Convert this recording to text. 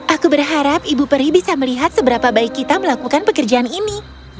aku berharap ibu peri bisa melihat seberapa baik kita melakukan pekerjaan ini